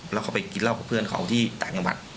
แล้วเขาไปกินราวกับเพื่อนเขาที่ต่างเมืองบัน